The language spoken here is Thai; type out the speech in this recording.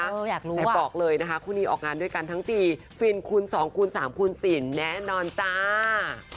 อยากรู้อ่ะแอบบอกเลยนะคะคู่นี้ออกงานด้วยกันทั้ง๔ฟินคุณสองคูณสามคูณสินแน่นอนจ้า